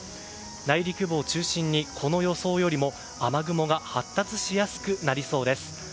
内陸部を中心に、この予想よりも雨雲が発達しやすくなりそうです。